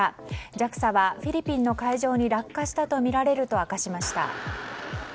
ＪＡＸＡは、フィリピンの海上に落下したとみられると明かしました。